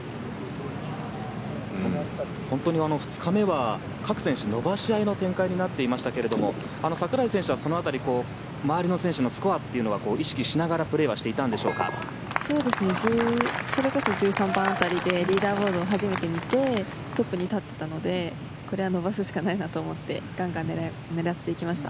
本当に２日目は各選手伸ばし合いの展開になっていましたが櫻井選手はその辺り周りの選手のスコアというのは意識しながらそれこそ１３番辺りでリーダーボードを初めて見てトップに立っていたのでこれは伸ばすしかないなと思ってガンガン狙っていきました。